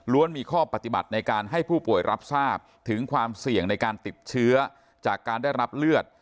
มีข้อปฏิบัติในการให้ผู้ป่วยรับทราบถึงความเสี่ยงในการติดเชื้อจากการได้รับเลือด